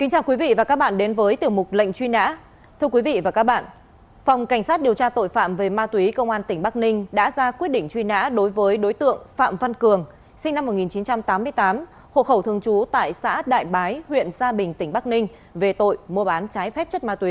hãy đăng ký kênh để ủng hộ kênh của chúng mình nhé